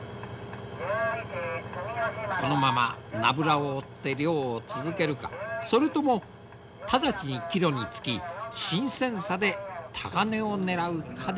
このままナブラを追って漁を続けるかそれとも直ちに帰路につき新鮮さで高値を狙うかである。